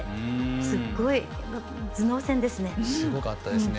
すごい頭脳戦ですね。